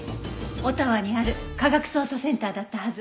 オタワにある科学捜査センターだったはず。